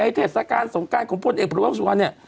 ในเทศกาลสงการของพลเอกประวัติศาสตร์เนี่ย